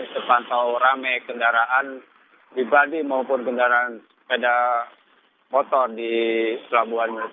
sepantau rame kendaraan di bali maupun kendaraan sepeda motor di pelabuhan merak